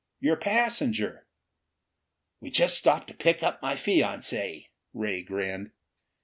Your passenger " "We just stopped to pick up my fiancee," Ray grinned.